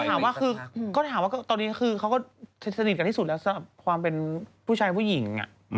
แต่ถามว่าคือตอนนี้เขาก็สนิทกันที่สุดแล้วสำหรับความเป็นผู้ชายผู้หญิง